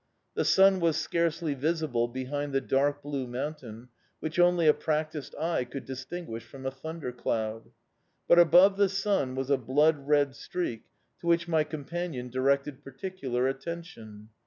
The sun was scarcely visible behind the dark blue mountain, which only a practised eye could distinguish from a thunder cloud; but above the sun was a blood red streak to which my companion directed particular attention.